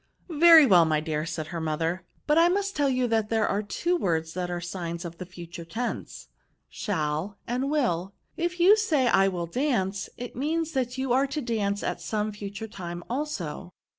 *'" Very well, my dear," said her mother ;" but I must tell you that there are two words which are signs of the future tense, shall and will; if you say I will dance, it means that you are to dance at some future time also."